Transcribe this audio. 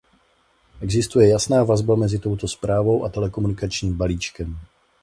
Existuje jasná vazba mezi touto zprávou a telekomunikačním balíčkem.